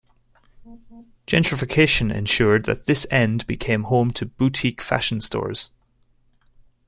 Gentrification ensured that this end became home to boutique fashion stores.